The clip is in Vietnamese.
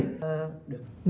quy tắc ứng xử